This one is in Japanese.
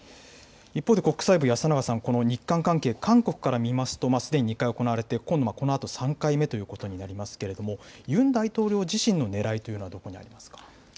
一方で、国際部、安永さん、この日韓関係、韓国から見ますと、すでに２回行われて、今度このあと３回目ということになりますけれども、ユン大統領自身のねらいというのはどこにあるんですか。